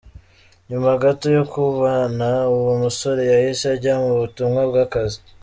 Nyuma gato yo kubana, uwo musore yahise ajya mu butumwa bw’akazi.